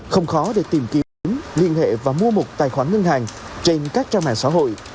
không khó để tìm kiếm liên hệ và mua một tài khoản ngân hàng trên các trang mạng xã hội